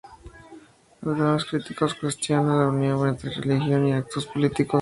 Algunos críticos cuestionan la unión entre religión y actos políticos.